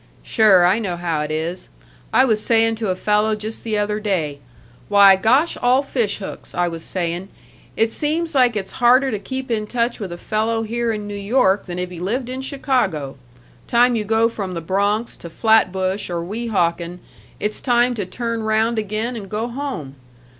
"Sure, I know how it is. I was saying to a fellow just the other day, 'Why, gosh all fish hooks!' I was saying, 'it seems like it's harder to keep in touch with a fellow here in New York than if he lived in Chicago time you go from the Bronx to Flatbush or Weehawken, it's time to turn round again and go home!'